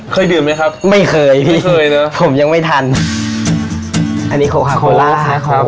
เคยดื่มไหมครับไม่เคยไม่เคยนะผมยังไม่ทันอันนี้โคคาโคล่านะครับ